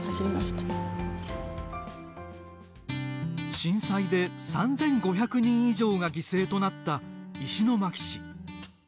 震災で３５００人以上が犠牲となった石巻市。